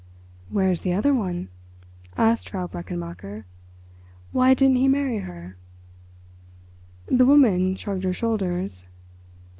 "Where is the other one?" asked Frau Brechenmacher. "Why didn't he marry her?" The woman shrugged her shoulders.